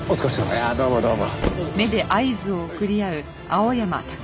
いやどうもどうも。